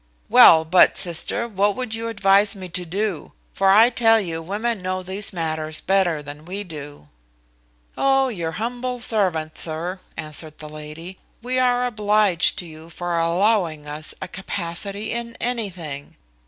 Well but, sister, what would you advise me to do; for I tell you women know these matters better than we do?" "Oh, your humble servant, sir," answered the lady: "we are obliged to you for allowing us a capacity in anything.